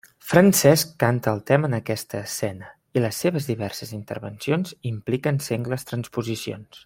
Francesc canta el tema en aquesta escena i les seves diverses intervencions impliquen sengles transposicions.